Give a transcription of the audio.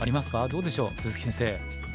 どうでしょう鈴木先生。